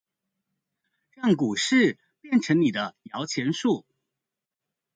讓股市變成你的搖錢樹